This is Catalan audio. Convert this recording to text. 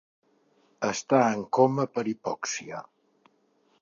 Està en coma per hipòxia.